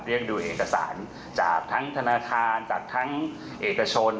เรียกดูเอกสารจากทั้งธนาคารจากทั้งเอกชน